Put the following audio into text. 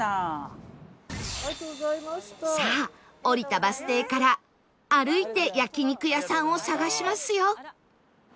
さあ降りたバス停から歩いて焼肉屋さんを探しますよ